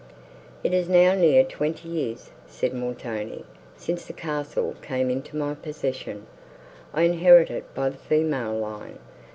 "It is now near twenty years," said Montoni, "since this castle came into my possession. I inherit it by the female line.